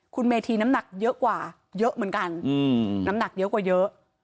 คุณเมธีน้ำหนักเยอะกว่าเยอะเหมือนกันน้ำหนักเยอะกว่าเยอะ